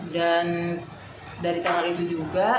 dan dari tanggal itu juga